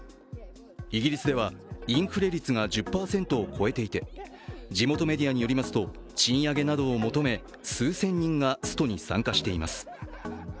イギリスではインフレ率が１０％を超えていて地元メディアによりますと賃上げなどを求め数千人がストに参加しています。